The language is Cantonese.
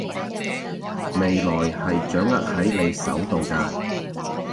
未來係掌握喺你手度㗎